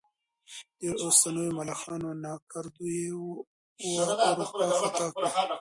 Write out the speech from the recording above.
د اوسنيو ملخانو ناکردو یې واروپار ختا کړ.